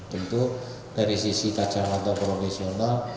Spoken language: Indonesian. tentu dari sisi kacang atau profesional